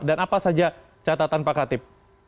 dan apa saja catatan pak katip